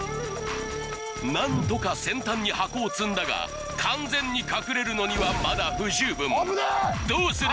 何とか先端に箱を積んだが完全に隠れるのにはまだ不十分どうする？